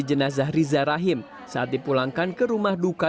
jenazah riza rahim saat dipulangkan ke rumah duka